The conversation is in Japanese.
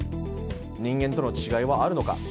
人間との違いはあるのか？